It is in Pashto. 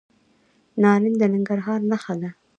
نارنج د ننګرهار نښه ده.